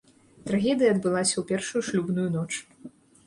Трагедыя адбылася ў першую шлюбную ноч.